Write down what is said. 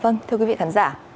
vâng thưa quý vị khán giả